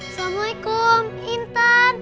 tapi kenapa sekarang kondisinya jadi seperti ini